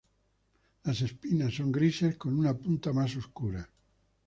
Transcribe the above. Los espinas son grises con una punta más oscura.